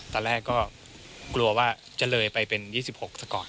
ตอนแรกก็กลัวว่าจะเลยไปเป็น๒๖ซะก่อน